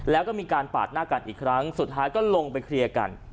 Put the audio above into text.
แล้วก็มีการปาดหน้ากันอีกครั้งสุดท้ายก็ลงไปเคลียร์กัน